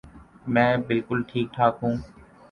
میں بالکل ٹھیک ٹھاک ہوں